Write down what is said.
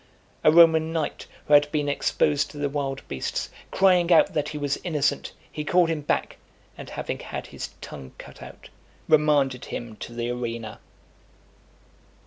A Roman knight, who had been exposed to the wild beasts, crying out that he was innocent, he called him back, and having had his tongue cut out, remanded him to the arena.